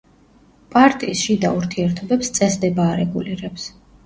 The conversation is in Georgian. პარტიის შიდა ურთიერთობებს წესდება არეგულირებს.